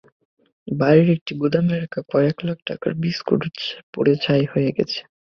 বাড়ির একটি গুদামে রাখা কয়েক লাখ টাকার বিস্কুটও পুড়ে ছাই হয়ে গেছে।